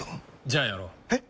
じゃあやろう。え？